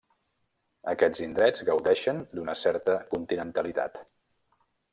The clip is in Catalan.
Aquests indrets gaudeixen d'una certa continentalitat.